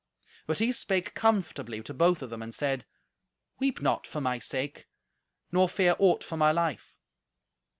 But he spake comfortably to both of them, and said, "Weep not for my sake; nor fear aught for my life."